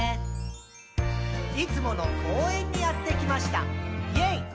「いつもの公園にやってきました！イェイ！」